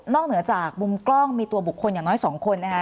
เหนือจากมุมกล้องมีตัวบุคคลอย่างน้อย๒คนนะคะ